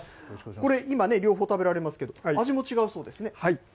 これ、今ね、両方食べられますけど、味も違うそうですね。